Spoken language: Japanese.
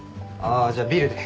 あじゃあビールで。